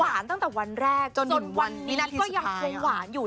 ตั้งแต่วันแรกจนวันนี้นั้นก็ยังคงหวานอยู่